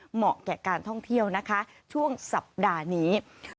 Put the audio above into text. เหมาะแก่การท่องเที่ยวนะคะช่วงสัปดาห์นี้